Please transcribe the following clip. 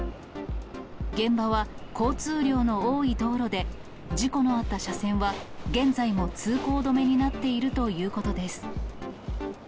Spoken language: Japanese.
現場は交通量の多い道路で、事故のあった車線は、現在も通行止めになっているということです。